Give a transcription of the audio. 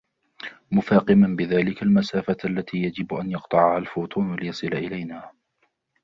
مفاقما بذلك المسافة التي يجب أن يقطعها الفوتون ليصل إلينا